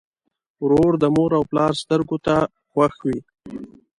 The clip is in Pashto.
ورور د مور او پلار سترګو ته خوښ وي.